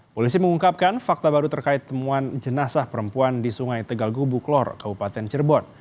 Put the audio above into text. polisi mengungkapkan fakta baru terkait temuan jenazah perempuan di sungai tegal gubu klor kabupaten cirebon